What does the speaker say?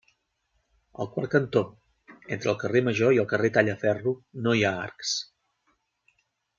El quart cantó, entre el carrer Major i el carrer Tallaferro no hi ha arcs.